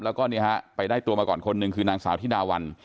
แล้วก็เนี่ยฮะไปได้ตัวมาก่อนคนหนึ่งคือนางสาวธิดาวัน